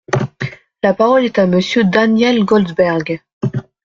La parole est à Monsieur Daniel Goldberg.